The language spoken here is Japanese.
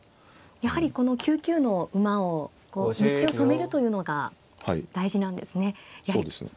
やはりこの９九の馬を道を止めるというのが大事なんですね。